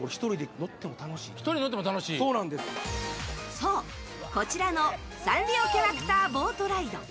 そう、こちらのサンリオキャラクターボートライド。